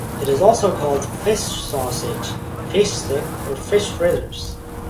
It is also called fish sausage, fish stick, or fish fritters.